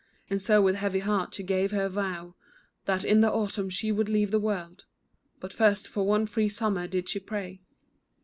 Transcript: And so with heavy heart she gave her vow, That in the autumn she would leave the world, But first for one free summer did she pray.